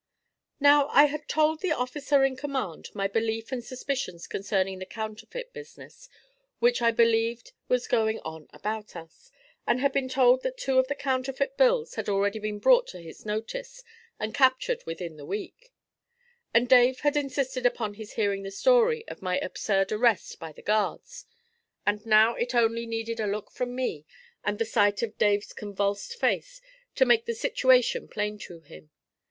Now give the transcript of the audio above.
Now, I had told the officer in command my belief and suspicions concerning the counterfeit business which I believed was going on about us, and had been told that two of the counterfeit bills had already been brought to his notice and captured within the week; and Dave had insisted upon his hearing the story of my absurd arrest by the guards, and now it only needed a look from me, and the sight of Dave's convulsed face, to make the situation plain to him.